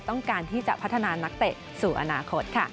ต้องการที่จะพัฒนานักเตะสู่อนาคตค่ะ